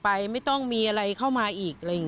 ไม่อยากให้มองแบบนั้นจบดราม่าสักทีได้ไหม